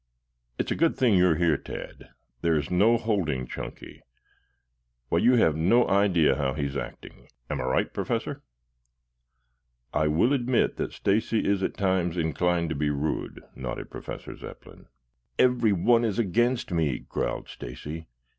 "It's a good thing you are here, Tad. There is no holding Chunky. Why, you have no idea how he is acting. Am I right, Professor?" "I will admit that Stacy is at times inclined to be rude," nodded Professor Zepplin. "Everyone is against me," growled Stacy.